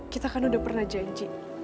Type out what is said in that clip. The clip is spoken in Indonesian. kita kan udah pernah janji